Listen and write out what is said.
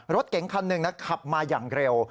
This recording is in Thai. รถเก๋งคันหนึ่งนะขับมาอย่างเร็ว